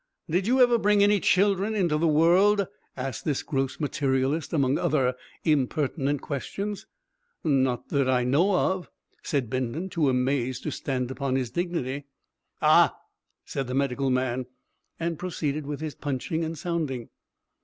"Did you ever bring any children into the world?" asked this gross materialist among other impertinent questions. "Not that I know of," said Bindon, too amazed to stand upon his dignity. "Ah!" said the medical man, and proceeded with his punching and sounding.